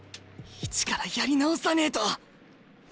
一からやり直さねえと！